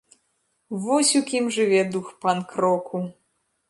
Вось у кім жыве дух панк-року!